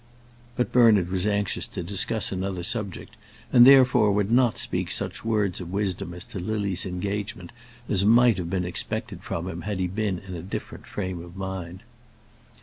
But Bernard was anxious to discuss another subject, and therefore would not speak such words of wisdom as to Lily's engagement as might have been expected from him had he been in a different frame of mind.